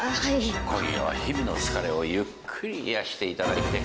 今夜は日々の疲れをゆっくり癒やしていただいて。